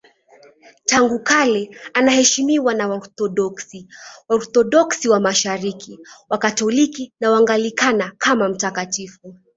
Tangu kale anaheshimiwa na Waorthodoksi, Waorthodoksi wa Mashariki, Wakatoliki na Waanglikana kama mtakatifu.